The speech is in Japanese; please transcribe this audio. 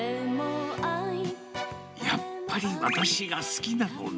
やっぱり私が好きなのね。